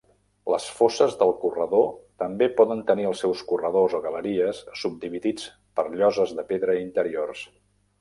Les fosses de corredor també poden tenir els seus corredors o galeries subdividits per lloses de pedra interiors.